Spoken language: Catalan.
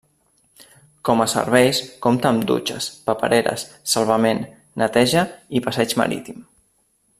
Com a serveis compta amb dutxes, papereres, salvament, neteja i passeig marítim.